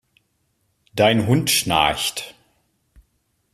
Dein Hund schnarcht!